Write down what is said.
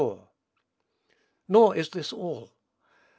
Nor is this all.